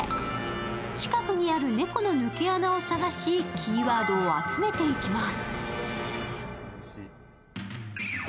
近くにある猫の抜け穴を探し、キーワードを集めていきます。